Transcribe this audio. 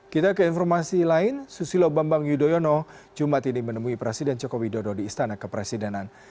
kita ke informasi lain susilo bambang yudhoyono jumat ini menemui presiden joko widodo di istana kepresidenan